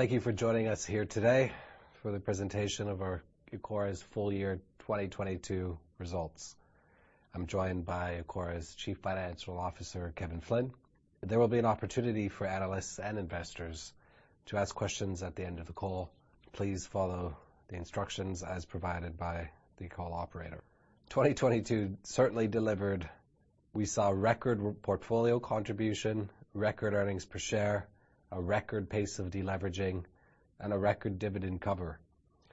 Thank you for joining us here today for the presentation of our Ecora's Full Year 2022 Results. I'm joined by Ecora's Chief Financial Officer, Kevin Flynn. There will be an opportunity for analysts and investors to ask questions at the end of the call. Please follow the instructions as provided by the call operator. 2022 certainly delivered. We saw record portfolio contribution, record earnings per share, a record pace of deleveraging, and a record dividend cover.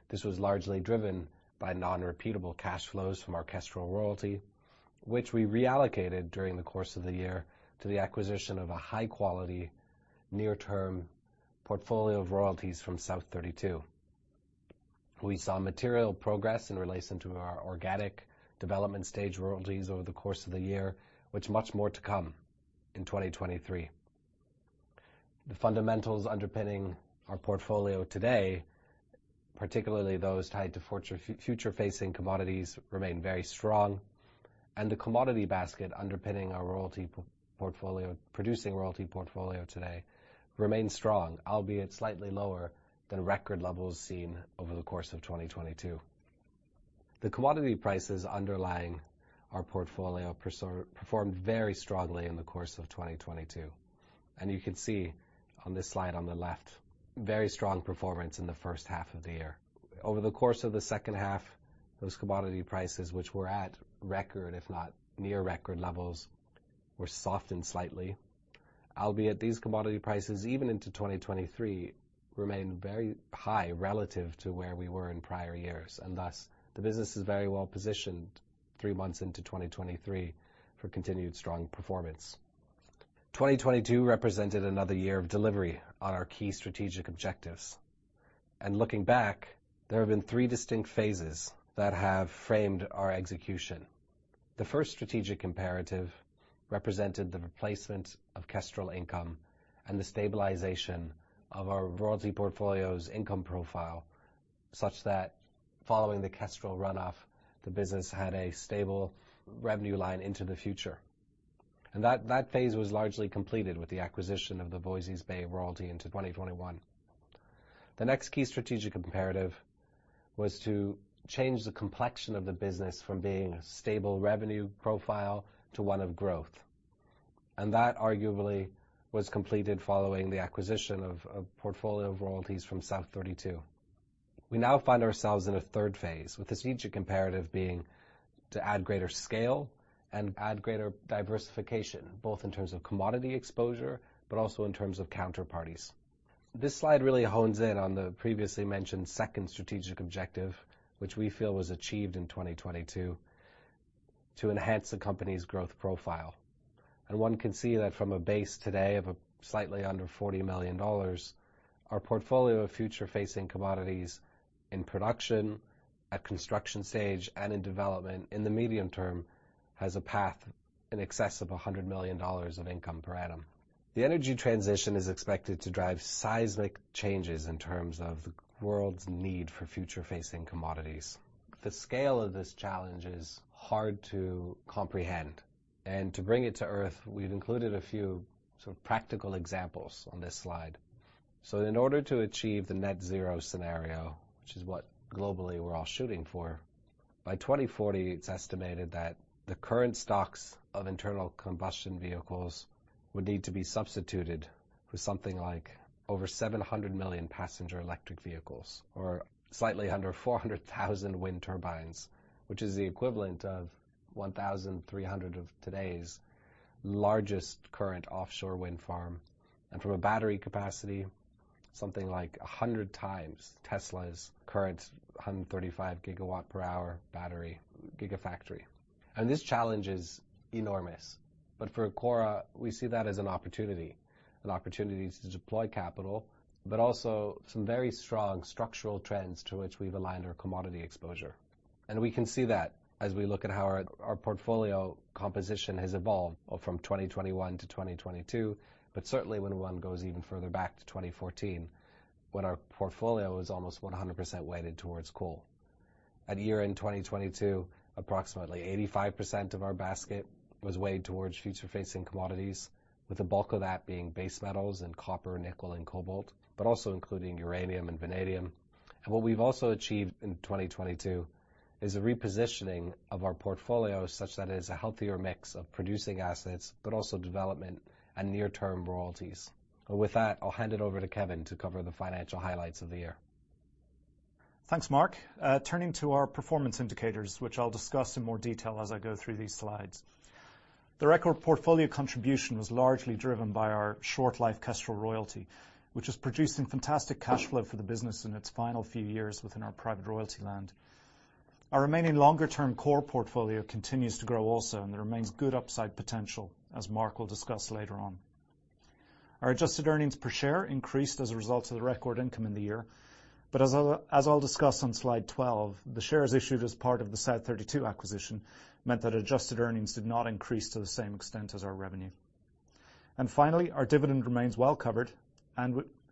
This was largely driven by non-repeatable cash flows from our Kestrel royalty, which we reallocated during the course of the year to the acquisition of a high-quality near-term portfolio of royalties from South32. We saw material progress in relation to our organic development stage royalties over the course of the year, with much more to come in 2023. The fundamentals underpinning our portfolio today, particularly those tied to future-facing commodities, remain very strong. The commodity basket underpinning our royalty producing royalty portfolio today remains strong, albeit slightly lower than record levels seen over the course of 2022. The commodity prices underlying our portfolio performed very strongly in the course of 2022. You can see on this slide on the left, very strong performance in the first half of the year. Over the course of the second half, those commodity prices, which were at record, if not near record levels, were softened slightly, albeit these commodity prices, even into 2023, remain very high relative to where we were in prior years. Thus, the business is very well positioned three months into 2023 for continued strong performance. 2022 represented another year of delivery on our key strategic objectives. Looking back, there have been three distinct phases that have framed our execution. The first strategic imperative represented the replacement of Kestrel income and the stabilization of our royalty portfolio's income profile, such that following the Kestrel run off, the business had a stable revenue line into the future. That, that phase was largely completed with the acquisition of the Voisey's Bay royalty into 2021. The next key strategic imperative was to change the complexion of the business from being a stable revenue profile to one of growth. That arguably was completed following the acquisition of a portfolio of royalties from South32. We now find ourselves in a third phase, with the strategic imperative being to add greater scale and add greater diversification, both in terms of commodity exposure, but also in terms of counterparties. This slide really hones in on the previously mentioned second strategic objective, which we feel was achieved in 2022, to enhance the company's growth profile. One can see that from a base today of a slightly under $40 million, our portfolio of future-facing commodities in production, at construction stage, and in development in the medium term has a path in excess of $100 million of income per annum. The energy transition is expected to drive seismic changes in terms of the world's need for future-facing commodities. The scale of this challenge is hard to comprehend. To bring it to earth, we've included a few sort of practical examples on this slide. In order to achieve the net zero scenario, which is what globally we're all shooting for, by 2040, it's estimated that the current stocks of internal combustion vehicles would need to be substituted for something like over 700 million passenger electric vehicles or slightly under 400,000 wind turbines, which is the equivalent of 1,300 of today's largest current offshore wind farm. From a battery capacity, something like 100x Tesla's current 135 GWh battery Gigafactory. This challenge is enormous. For Ecora, we see that as an opportunity, an opportunity to deploy capital, but also some very strong structural trends to which we've aligned our commodity exposure. We can see that as we look at how our portfolio composition has evolved from 2021 to 2022, but certainly when one goes even further back to 2014, when our portfolio was almost 100% weighted towards coal. At year-end 2022, approximately 85% of our basket was weighed towards future-facing commodities, with the bulk of that being base metals in copper, nickel, and cobalt, but also including uranium and vanadium. What we've also achieved in 2022 is a repositioning of our portfolio such that it is a healthier mix of producing assets, but also development and near-term royalties. With that, I'll hand it over to Kevin to cover the financial highlights of the year. Thanks, Mark. Turning to our performance indicators, which I'll discuss in more detail as I go through these slides. The record portfolio contribution was largely driven by our short-life Kestrel royalty, which is producing fantastic cash flow for the business in its final few years within our private royalty land. Our remaining longer-term core portfolio continues to grow also. There remains good upside potential, as Mark will discuss later on. Our adjusted earnings per share increased as a result of the record income in the year. As I'll discuss on slide 12, the shares issued as part of the South32 acquisition meant that adjusted earnings did not increase to the same extent as our revenue. Finally, our dividend remains well covered,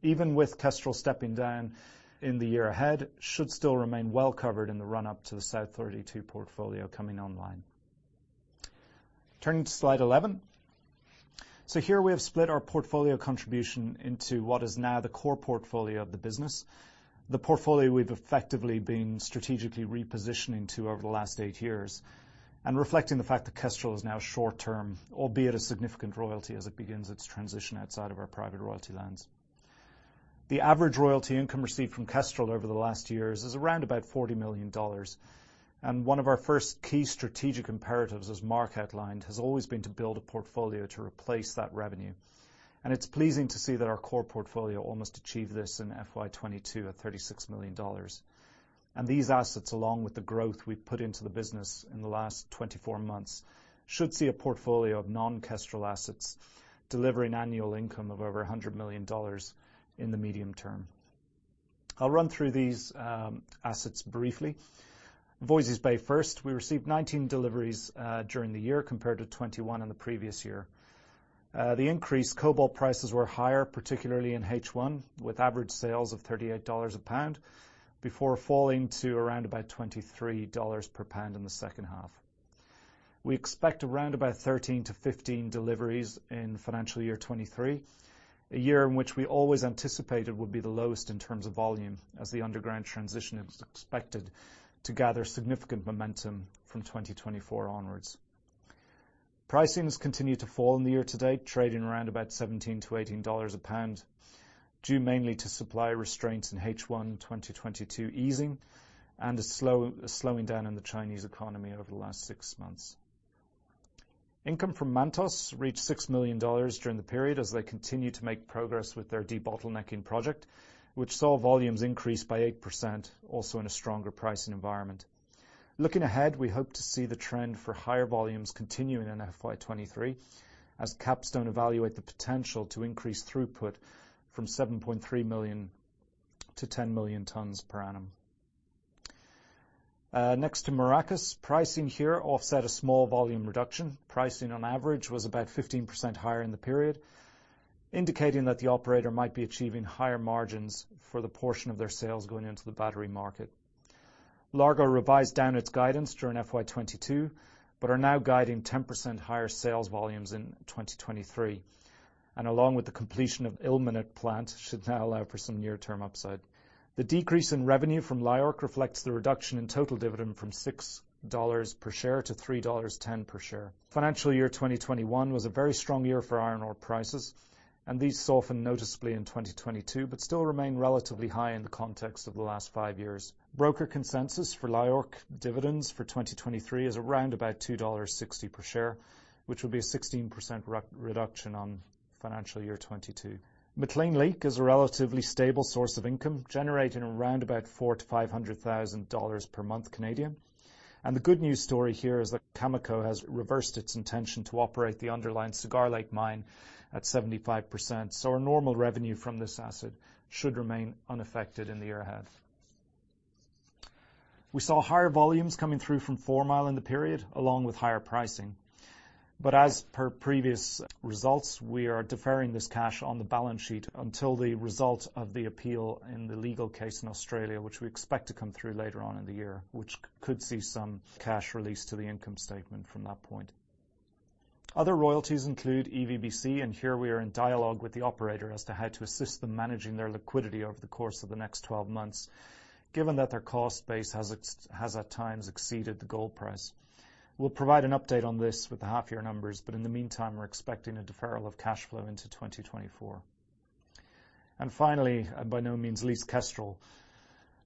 even with Kestrel stepping down in the year ahead, should still remain well covered in the run-up to the South32 portfolio coming online. Turning to slide 11. Here we have split our portfolio contribution into what is now the core portfolio of the business, the portfolio we've effectively been strategically repositioning to over the last eight years and reflecting the fact that Kestrel is now short-term, albeit a significant royalty as it begins its transition outside of our private royalty lands. The average royalty income received from Kestrel over the last years is around about $40 million, one of our first key strategic imperatives, as Mark outlined, has always been to build a portfolio to replace that revenue. It's pleasing to see that our core portfolio almost achieved this in FY 2022 at $36 million. These assets, along with the growth we've put into the business in the last 24 months, should see a portfolio of non-Kestrel assets delivering annual income of over $100 million in the medium term. I'll run through these assets briefly. Voisey's Bay first. We received 19 deliveries during the year compared to 21 in the previous year. The increased cobalt prices were higher, particularly in H1, with average sales of $38 a pound before falling to around about $23 per pound in the second half. We expect around about 13-15 deliveries in financial year 2023, a year in which we always anticipated would be the lowest in terms of volume as the underground transition is expected to gather significant momentum from 2024 onwards. Pricings continued to fall in the year-to-date, trading around about $17-$18 a pound, due mainly to supply restraints in H1 2022 easing and a slowing down in the Chinese economy over the last six months. Income from Mantos reached $6 million during the period as they continued to make progress with their debottlenecking project, which saw volumes increase by 8%, also in a stronger pricing environment. Looking ahead, we hope to see the trend for higher volumes continuing in FY 2023 as Capstone evaluate the potential to increase throughput from 7.3 million to 10 million tons per annum. Next to Maracas. Pricing here offset a small volume reduction. Pricing on average was about 15% higher in the period, indicating that the operator might be achieving higher margins for the portion of their sales going into the battery market. Largo revised down its guidance during FY 2022, but are now guiding 10% higher sales volumes in 2023, and along with the completion of ilmenite plant should now allow for some near-term upside. The decrease in revenue from LIORC reflects the reduction in total dividend from $6 per share to $3.10 per share. Financial year 2021 was a very strong year for iron ore prices, and these softened noticeably in 2022, but still remain relatively high in the context of the last five years. Broker consensus for LIORC dividends for 2023 is around about $2.60 per share, which will be a 16% re-reduction on financial year 2022. McClean Lake is a relatively stable source of income, generating around about 400,000-500,000 dollars per month. The good news story here is that Cameco has reversed its intention to operate the underlying Cigar Lake mine at 75%. Our normal revenue from this asset should remain unaffected in the year ahead. We saw higher volumes coming through from Four Mile in the period, along with higher pricing. As per previous results, we are deferring this cash on the balance sheet until the result of the appeal in the legal case in Australia, which we expect to come through later on in the year, which could see some cash released to the income statement from that point. Other royalties include EVBC, and here we are in dialogue with the operator as to how to assist them managing their liquidity over the course of the next 12 months, given that their cost base has at times exceeded the gold price. We'll provide an update on this with the half-year numbers, but in the meantime, we're expecting a deferral of cash flow into 2024. Finally, and by no means least, Kestrel.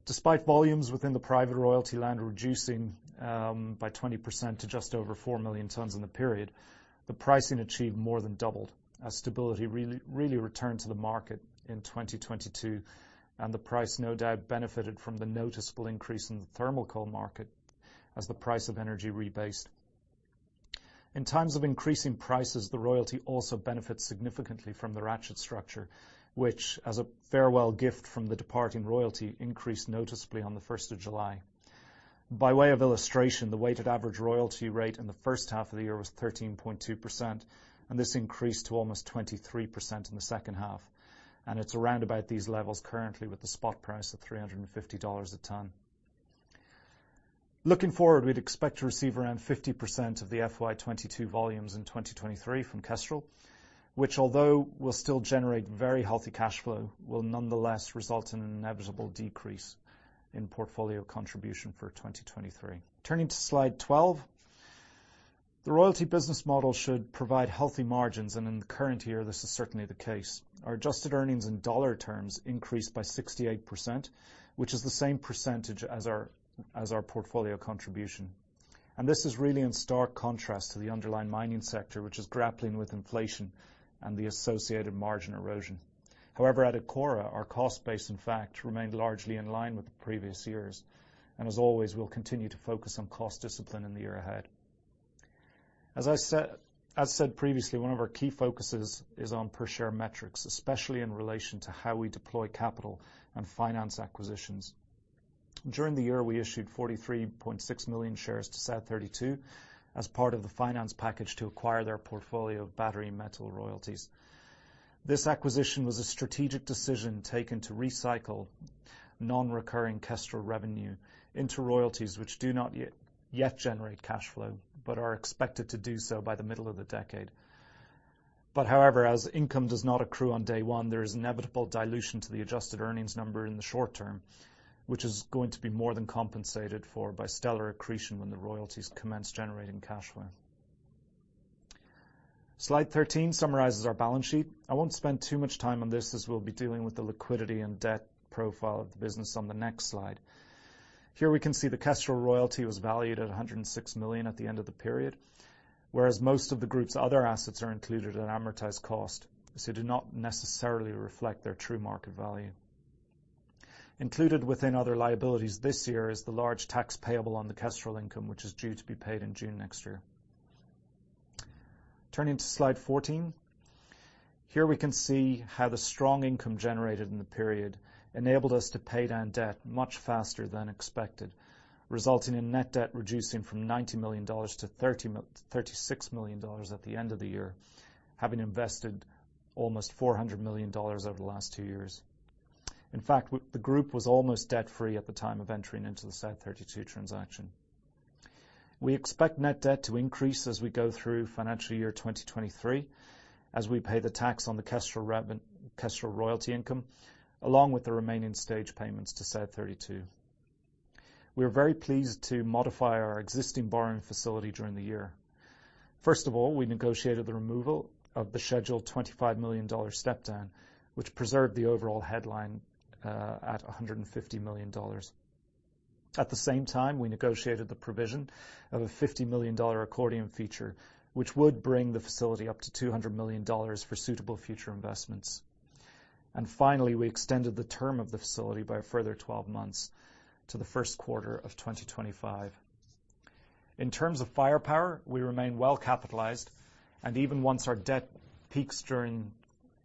Despite volumes within the private royalty land reducing by 20% to just over four million tons in the period, the pricing achieved more than doubled as stability really returned to the market in 2022, and the price no doubt benefited from the noticeable increase in the thermal coal market as the price of energy rebased. In times of increasing prices, the royalty also benefits significantly from the ratchet structure, which as a farewell gift from the departing royalty increased noticeably on the 1st of July. By way of illustration, the weighted average royalty rate in the H1 of the year was 13.2%, and this increased to almost 23% in the H2, and it's around about these levels currently with the spot price at $350 a ton. Looking forward, we'd expect to receive around 50% of the FY 2022 volumes in 2023 from Kestrel, which although will still generate very healthy cash flow, will nonetheless result in an inevitable decrease in portfolio contribution for 2023. Turning to slide 12. The royalty business model should provide healthy margins, and in the current year, this is certainly the case. Our adjusted earnings in dollar terms increased by 68%, which is the same percentage as our portfolio contribution. This is really in stark contrast to the underlying mining sector, which is grappling with inflation and the associated margin erosion. However, at Ecora, our cost base, in fact, remained largely in line with the previous years. As always, we'll continue to focus on cost discipline in the year ahead. As said previously, one of our key focuses is on per share metrics, especially in relation to how we deploy capital and finance acquisitions. During the year, we issued 43.6 million shares to South32 as part of the finance package to acquire their portfolio of battery metal royalties. This acquisition was a strategic decision taken to recycle nonrecurring Kestrel revenue into royalties which do not yet generate cash flow, but are expected to do so by the middle of the decade. However, as income does not accrue on day one, there is inevitable dilution to the adjusted earnings number in the short term, which is going to be more than compensated for by stellar accretion when the royalties commence generating cash flow. Slide 13 summarizes our balance sheet. I won't spend too much time on this, as we'll be dealing with the liquidity and debt profile of the business on the next slide. Here we can see the Kestrel royalty was valued at $106 million at the end of the period, whereas most of the group's other assets are included at amortized cost, so do not necessarily reflect their true market value. Included within other liabilities this year is the large tax payable on the Kestrel income, which is due to be paid in June next year. Turning to slide 14. Here we can see how the strong income generated in the period enabled us to pay down debt much faster than expected, resulting in net debt reducing from $90 million to $36 million at the end of the year. Having invested almost $400 million over the last two years. The group was almost debt-free at the time of entering into the South32 transaction. We expect net debt to increase as we go through financial year 2023, as we pay the tax on the Kestrel royalty income, along with the remaining stage payments to South32. We are very pleased to modify our existing borrowing facility during the year. We negotiated the removal of the scheduled $25 million step down, which preserved the overall headline at $150 million. At the same time, we negotiated the provision of a $50 million accordion feature, which would bring the facility up to $200 million for suitable future investments. Finally, we extended the term of the facility by a further 12 months to the first quarter of 2025. In terms of firepower, we remain well capitalized. Even once our debt peaks during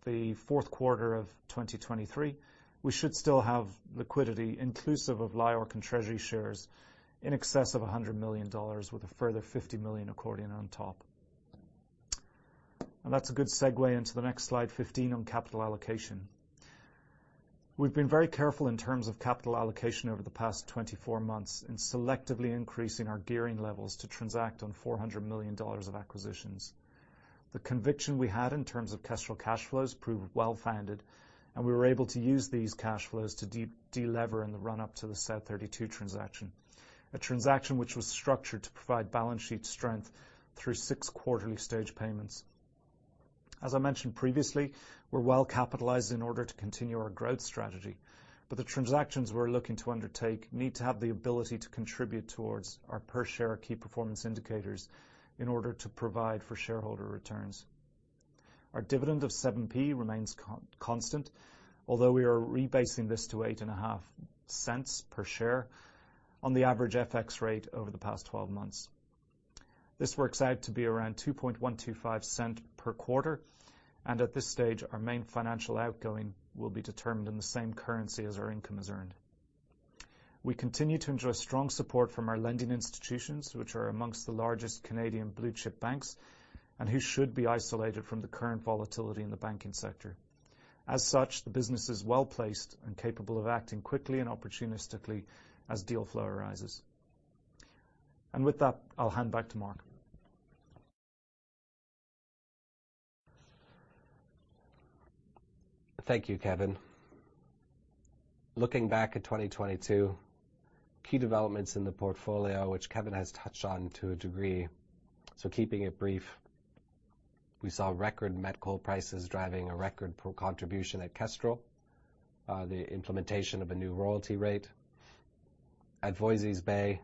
the fourth quarter of 2023, we should still have liquidity inclusive of LIORC and Treasury shares in excess of $100 million with a further $50 million accordion on top. That's a good segue into the next slide 15 on capital allocation. We've been very careful in terms of capital allocation over the past 24 months in selectively increasing our gearing levels to transact on $400 million of acquisitions. The conviction we had in terms of Kestrel cash flows proved well-founded, and we were able to use these cash flows to delever in the run-up to the South32 transaction, a transaction which was structured to provide balance sheet strength through six quarterly stage payments. As I mentioned previously, we're well capitalized in order to continue our growth strategy, but the transactions we're looking to undertake need to have the ability to contribute towards our per share key performance indicators in order to provide for shareholder returns. Our dividend of 7p remains constant, although we are rebasing this to $0.085 per share on the average FX rate over the past 12 months. This works out to be around $0.02125 per quarter. At this stage, our main financial outgoing will be determined in the same currency as our income is earned. We continue to enjoy strong support from our lending institutions, which are amongst the largest Canadian blue-chip banks and who should be isolated from the current volatility in the banking sector. As such, the business is well-placed and capable of acting quickly and opportunistically as deal flow arises. With that, I'll hand back to Mark. Thank you, Kevin. Looking back at 2022, key developments in the portfolio, which Kevin has touched on to a degree, so keeping it brief. We saw record met coal prices driving a record portfolio contribution at Kestrel. The implementation of a new royalty rate at Voisey's Bay.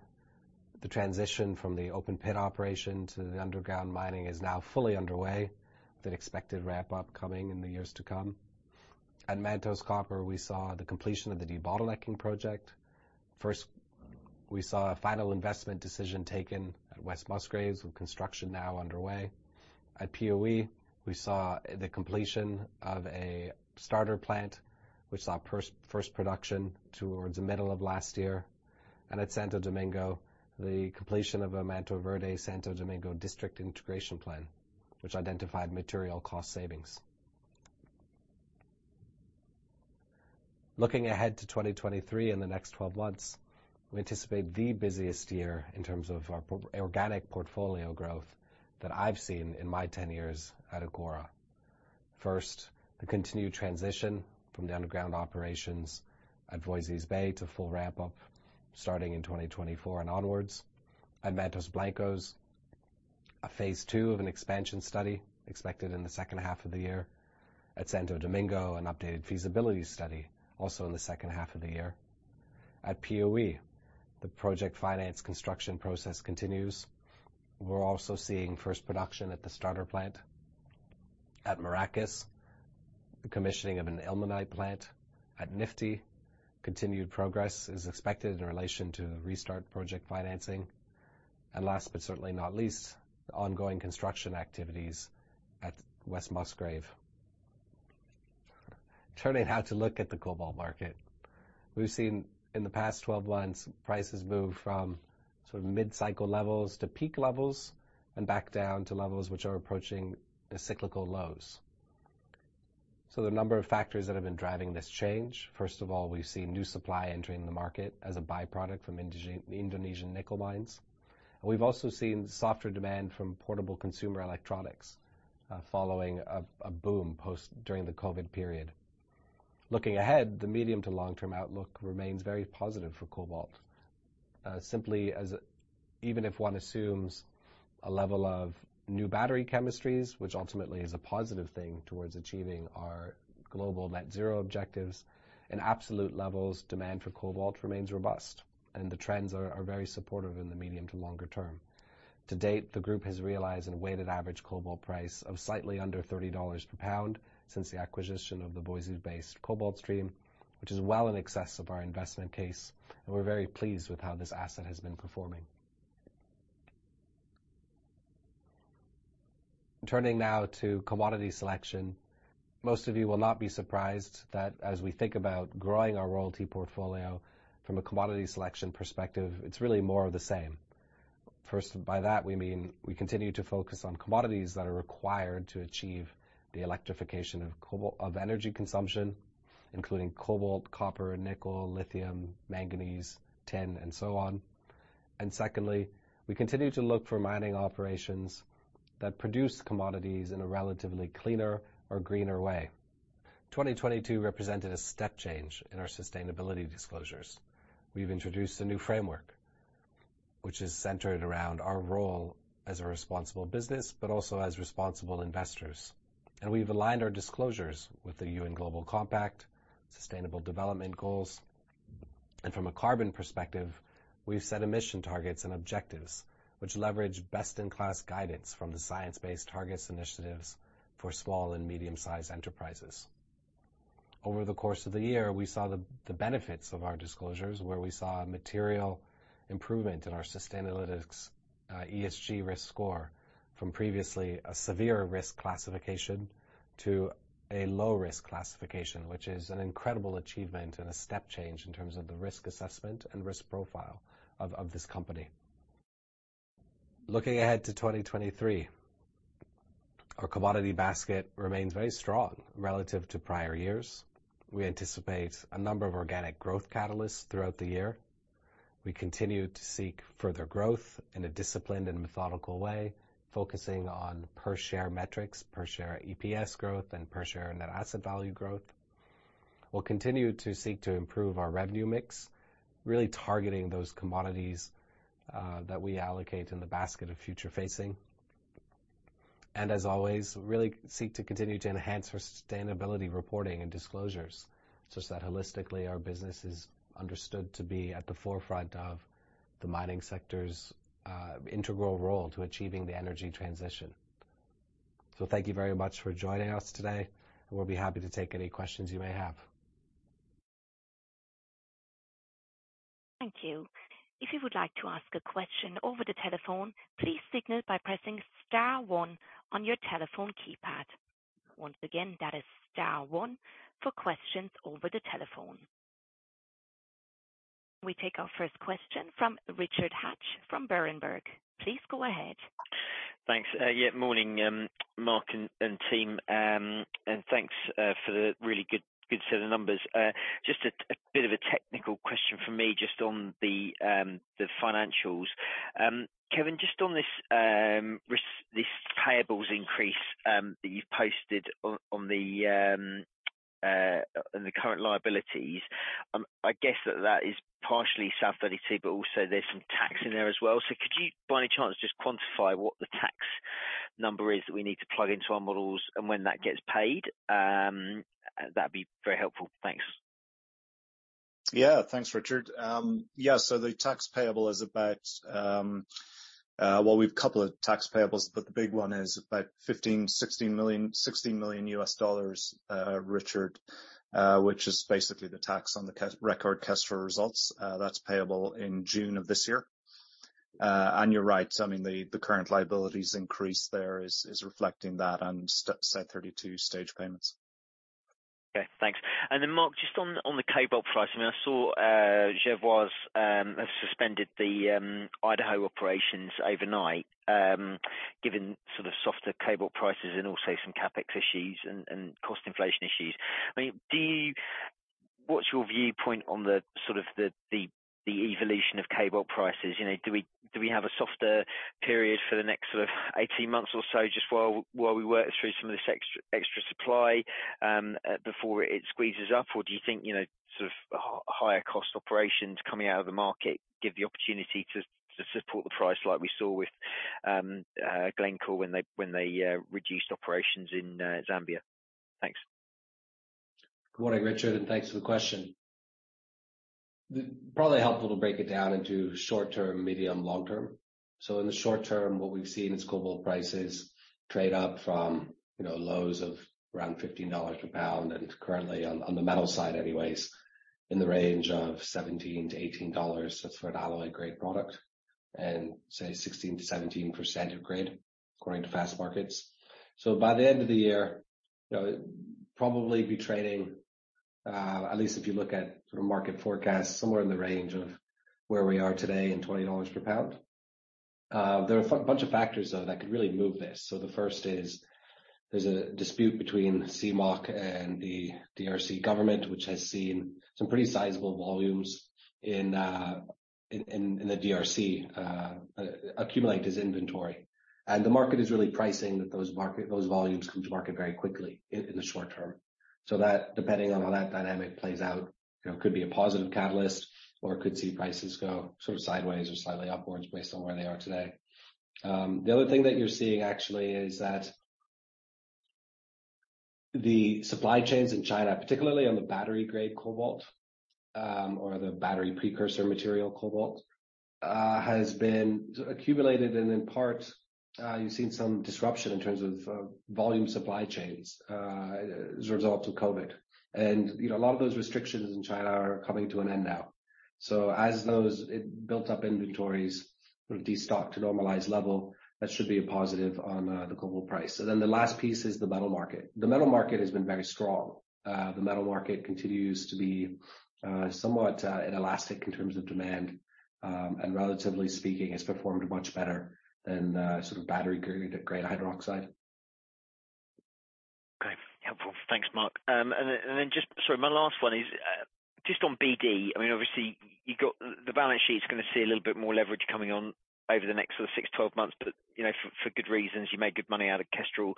The transition from the open pit operation to the underground mining is now fully underway with an expected wrap-up coming in the years to come. At Mantos Copper, we saw the completion of the debottlenecking project. First, we saw a final investment decision taken at West Musgrave, with construction now underway. At Piauí, we saw the completion of a starter plant which saw first production towards the middle of last year. At Santo Domingo, the completion of a Manto Verde Santo Domingo district integration plan, which identified material cost savings. Looking ahead to 2023 in the next 12 months, we anticipate the busiest year in terms of our organic portfolio growth that I've seen in my 10 years at Ecora. First, the continued transition from the underground operations at Voisey's Bay to full ramp-up, starting in 2024 and onwards. At Mantos Blancos, a phase two of an expansion study expected in the second half of the year. At Santo Domingo, an updated feasibility study, also in the second half of the year. At Piauí, the project finance construction process continues. We're also seeing first production at the starter plant. At Maracas, the commissioning of an ilmenite plant. At Nifty, continued progress is expected in relation to the restart project financing. Last but certainly not least, the ongoing construction activities at West Musgrave. Turning how to look at the cobalt market. We've seen in the past 12 months, prices move from sort of mid-cycle levels to peak levels and back down to levels which are approaching the cyclical lows. There are a number of factors that have been driving this change. First of all, we've seen new supply entering the market as a byproduct from Indonesian nickel mines. We've also seen softer demand from portable consumer electronics, following a boom post during the COVID period. Looking ahead, the medium to long-term outlook remains very positive for cobalt, simply as even if one assumes a level of new battery chemistries, which ultimately is a positive thing towards achieving our global net zero objectives. In absolute levels, demand for cobalt remains robust, and the trends are very supportive in the medium to longer term. To date, the group has realized a weighted average cobalt price of slightly under $30 per pound since the acquisition of the Voisey's Bay cobalt stream, which is well in excess of our investment case, and we're very pleased with how this asset has been performing. Turning now to commodity selection. Most of you will not be surprised that as we think about growing our royalty portfolio from a commodity selection perspective, it's really more of the same. First, by that, we mean we continue to focus on commodities that are required to achieve the electrification of energy consumption, including cobalt, copper, nickel, lithium, manganese, tin, and so on. Secondly, we continue to look for mining operations that produce commodities in a relatively cleaner or greener way. 2022 represented a step change in our sustainability disclosures. We've introduced a new framework which is centered around our role as a responsible business, but also as responsible investors. We've aligned our disclosures with the UN Global Compact, Sustainable Development Goals. From a carbon perspective, we've set emission targets and objectives which leverage best-in-class guidance from the Science Based Targets initiative for small and medium-sized enterprises. Over the course of the year, we saw the benefits of our disclosures, where we saw a material improvement in our Sustainalytics ESG risk score from previously a severe risk classification to a low-risk classification, which is an incredible achievement and a step change in terms of the risk assessment and risk profile of this company. Looking ahead to 2023, our commodity basket remains very strong relative to prior years. We anticipate a number of organic growth catalysts throughout the year. We continue to seek further growth in a disciplined and methodical way, focusing on per-share metrics, per-share EPS growth, and per-share net asset value growth. We'll continue to seek to improve our revenue mix, really targeting those commodities that we allocate in the basket of future facing. As always, really seek to continue to enhance our sustainability reporting and disclosures such that holistically our business is understood to be at the forefront of the mining sector's integral role to achieving the energy transition. Thank you very much for joining us today, and we'll be happy to take any questions you may have. Thank you. If you would like to ask a question over the telephone, please signal by pressing star one on your telephone keypad. Once again, that is star one for questions over the telephone. We take our first question from Richard Hatch from Berenberg. Please go ahead. Thanks. Yeah, morning, Mark and team, and thanks for the really good set of numbers. Just a bit of a technical question from me just on the financials. Kevin, just on this payables increase that you've posted on the current liabilities, I guess that is partially South32, but also there's some tax in there as well. Could you by any chance just quantify what the tax number is that we need to plug into our models and when that gets paid? That'd be very helpful. Thanks. Thanks, Richard. Well, we've a couple of tax payables, but the big one is about $16 million, Richard, which is basically the tax on the record Kestrel results. That's payable in June of this year. You're right. I mean, the current liabilities increase there is reflecting that and South32 stage payments. Okay, thanks. Mark, just on the cobalt price. I mean, I saw Jervois has suspended the Idaho operations overnight, given sort of softer cobalt prices and also some CapEx issues and cost inflation issues. I mean, what's your viewpoint on the sort of the evolution of cobalt prices? You know, do we have a softer period for the next sort of 18 months or so just while we work through some of this extra supply before it squeezes up? Do you think, you know, sort of higher cost operations coming out of the market give the opportunity to support the price like we saw with Glencore when they reduced operations in Zambia? Thanks. Good morning, Richard. Thanks for the question. Probably helpful to break it down into short-term, medium, long-term. In the short-term, what we've seen is cobalt prices trade up from, you know, lows of around $15 per pound and currently on the metal side anyways, in the range of $17-$18. That's for an alloy grade product and say 16%-17% of grade according to Fastmarkets. By the end of the year, you know, probably be trading, at least if you look at sort of market forecasts, somewhere in the range of where we are today and $20 per pound. There are a bunch of factors, though, that could really move this. The first is there's a dispute between CMOC and the DRC government, which has seen some pretty sizable volumes in the DRC accumulate as inventory. The market is really pricing that those volumes come to market very quickly in the short term. That depending on how that dynamic plays out, you know, could be a positive catalyst or could see prices go sort of sideways or slightly upwards based on where they are today. The other thing that you're seeing actually is that the supply chains in China, particularly on the battery-grade cobalt, or the battery precursor material cobalt, has been accumulated. In part, you've seen some disruption in terms of volume supply chains as a result of COVID you know, a lot of those restrictions in China are coming to an end now. As those built-up inventories sort of de-stock to normalized level, that should be a positive on the global price. The last piece is the metal market. The metal market has been very strong. The metal market continues to be somewhat inelastic in terms of demand, and relatively speaking, has performed much better than sort of battery-grade hydroxide. Okay. Helpful. Thanks, Mark. Just Sorry, my last one is, just on BD. I mean, obviously you got the balance sheet's gonna see a little bit more leverage coming on over the next sort of six, 12 months. You know, for good reasons, you made good money out of Kestrel.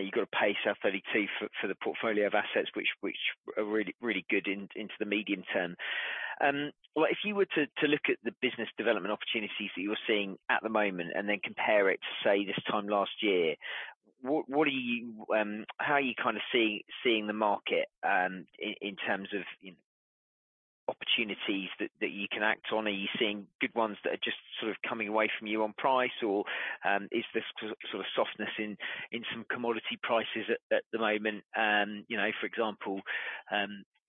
You've got to pay South32 for the portfolio of assets which are really, really good into the medium term. What if you were to look at the business development opportunities that you're seeing at the moment and then compare it to, say, this time last year, what are you, how are you kinda seeing the market in terms of opportunities that you can act on? Are you seeing good ones that are just sort of coming away from you on price? Or is this sort of softness in some commodity prices at the moment? You know, for example,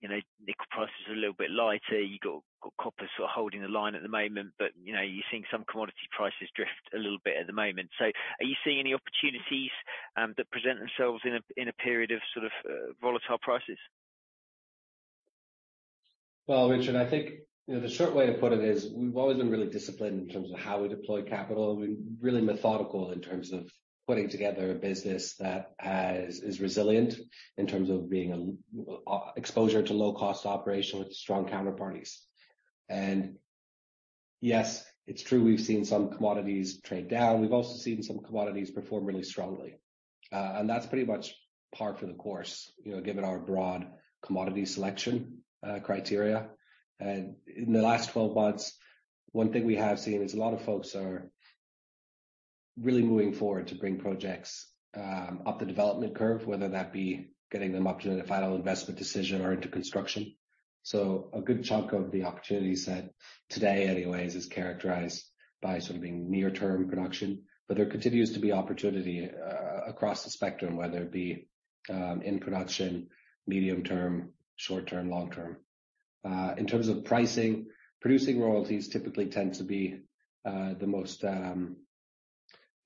you know, nickel prices are a little bit lighter. You got copper sort of holding the line at the moment, but, you know, you're seeing some commodity prices drift a little bit at the moment. Are you seeing any opportunities that present themselves in a period of sort of volatile prices? Well, Richard, I think, you know, the short way of put it is we've always been really disciplined in terms of how we deploy capital. We're really methodical in terms of putting together a business that is resilient in terms of being a exposure to low cost operation with strong counterparties. Yes, it's true, we've seen some commodities trade down. We've also seen some commodities perform really strongly. That's pretty much par for the course, you know, given our broad commodity selection criteria. In the last 12 months, one thing we have seen is a lot of folks are really moving forward to bring projects up the development curve, whether that be getting them up to the final investment decision or into construction. A good chunk of the opportunity set today anyways, is characterized by something near-term production. There continues to be opportunity across the spectrum, whether it be in production, medium-term, short-term, long-term. In terms of pricing, producing royalties typically tend to be the most,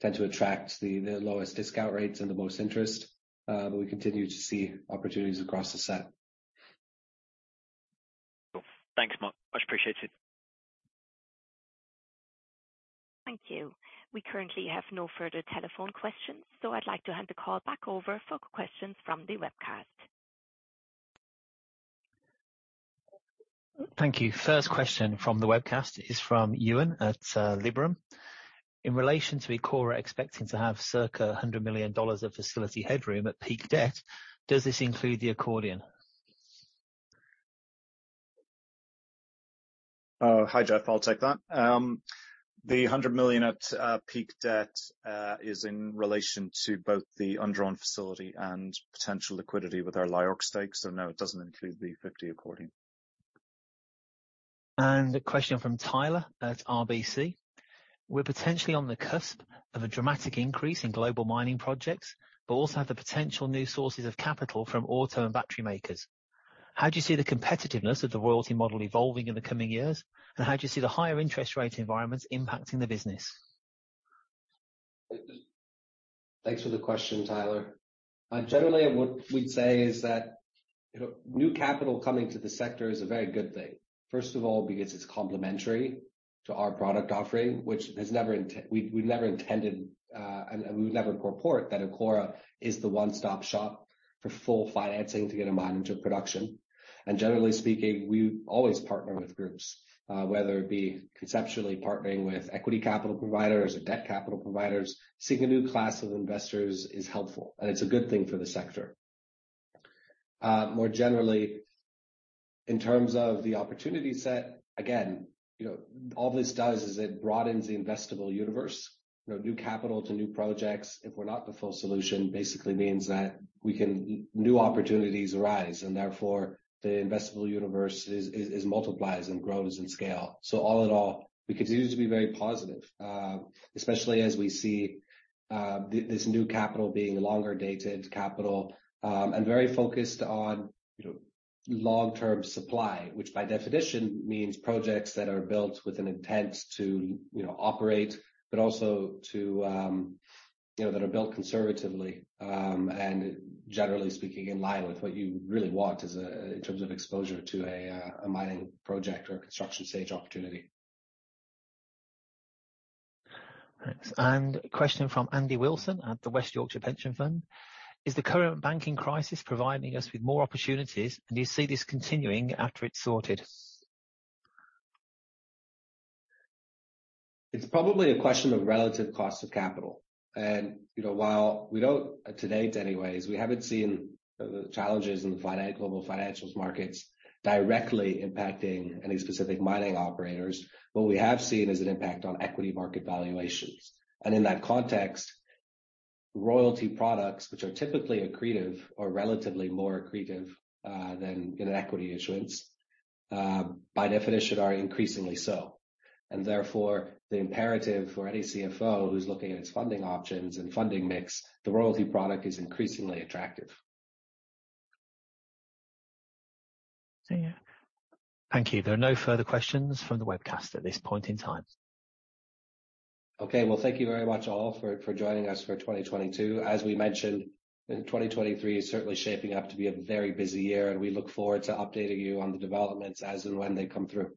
tend to attract the lowest discount rates and the most interest. We continue to see opportunities across the set. Cool. Thanks, Mark. Much appreciated. Thank you. We currently have no further telephone questions, so I'd like to hand the call back over for questions from the webcast. Thank you. First question from the webcast is from Euan at Liberum. In relation to Ecora expecting to have circa $100 million of facility headroom at peak debt, does this include the accordion? Hi, Geoff. I'll take that. The $100 million at peak debt is in relation to both the undrawn facility and potential liquidity with our LIORC stake. No, it doesn't include the 50 accordion. A question from Tyler at RBC. We're potentially on the cusp of a dramatic increase in global mining projects, but also have the potential new sources of capital from auto and battery makers. How do you see the competitiveness of the royalty model evolving in the coming years? How do you see the higher interest rate environments impacting the business? Thanks for the question, Tyler. Generally what we'd say is that, you know, new capital coming to the sector is a very good thing. First of all, because it's complementary to our product offering, which has never we never intended, and we would never purport that Ecora is the one-stop shop for full financing to get a mine into production. Generally speaking, we always partner with groups, whether it be conceptually partnering with equity capital providers or debt capital providers. Seeking a new class of investors is helpful, and it's a good thing for the sector. More generally, in terms of the opportunity set, again, you know, all this does is it broadens the investable universe. You know, new capital to new projects, if we're not the full solution, basically means that we can. New opportunities arise, and therefore the investable universe is multiplies and grows in scale. All in all, we continue to be very positive, especially as we see this new capital being longer-dated capital, and very focused on, you know, long-term supply, which by definition means projects that are built with an intent to, you know, operate, but also to, you know, that are built conservatively, and generally speaking, in line with what you really want as a, in terms of exposure to a mining project or a construction stage opportunity. Thanks. A question from Andy Wilson at the West Yorkshire Pension Fund. Is the current banking crisis providing us with more opportunities, and do you see this continuing after it's sorted? It's probably a question of relative cost of capital. You know, while we don't, to date anyways, we haven't seen the challenges in the global financials markets directly impacting any specific mining operators. What we have seen is an impact on equity market valuations. In that context, royalty products, which are typically accretive or relatively more accretive than an equity issuance, by definition are increasingly so. Therefore, the imperative for any CFO who's looking at its funding options and funding mix, the royalty product is increasingly attractive. Thank you. There are no further questions from the webcast at this point in time. Okay. Well, thank you very much all for joining us for 2022. As we mentioned, 2023 is certainly shaping up to be a very busy year. We look forward to updating you on the developments as and when they come through.